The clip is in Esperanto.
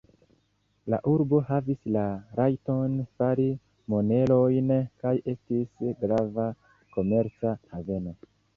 La urbo havis la rajton fari monerojn kaj estis grava komerca haveno.